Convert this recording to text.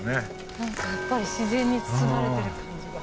何かやっぱり自然に包まれてる感じが。